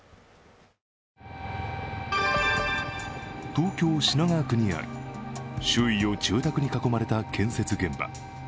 東京・品川区にある周囲を住宅に囲まれた建設現場。